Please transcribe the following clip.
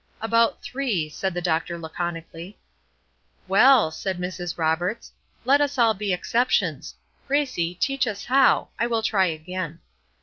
"About three," said the doctor, laconically. "Well," said Mrs. Roberts, "let us all be exceptions. Gracie, teach us how. I will try again."